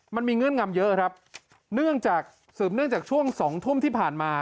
เงื่อนงำเยอะครับเนื่องจากสืบเนื่องจากช่วงสองทุ่มที่ผ่านมา